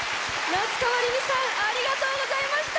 夏川りみさんありがとうございました。